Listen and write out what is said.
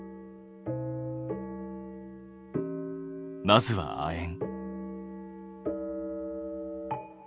まずは亜鉛。